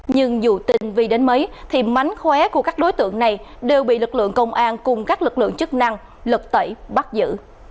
nhưng dù tình vì đến mấy thì mánh khóe của các đối tượng này đều bị lực lượng công an cùng các lực lượng chức năng lực tẩy bắt giữ